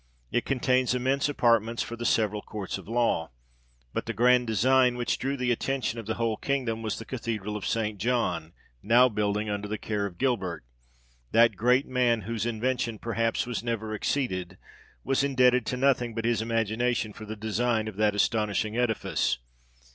It contains immense apart ments for the several courts of law. But the grand design, which drew the attention of the whole kingdom, was the cathedral of St. John, now building under the care of Gilbert; that great man, whose invention perhaps N < was never exceeded, was indebted to nothing but his imagination for the design of that astonishing edifice.